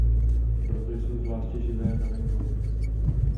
Proto jsou zvláště živé na venkově.